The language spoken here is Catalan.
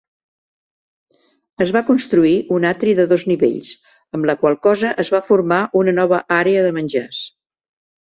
Es va construir un atri de dos nivells, amb la qual cosa es va formar una nova àrea de menjars.